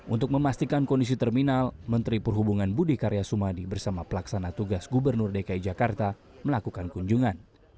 untuk memastikan kondisi terminal menteri perhubungan budi karya sumadi bersama pelaksana tugas gubernur dki jakarta melakukan kunjungan